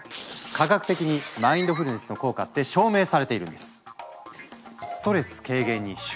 科学的にマインドフルネスの効果って証明されているんです！などなど！